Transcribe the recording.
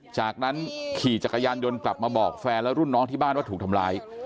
จากนั้นขี่จักรยานยนต์กลับมาบอกแฟนและรุ่นน้องที่บ้านว่าถูกทำร้าย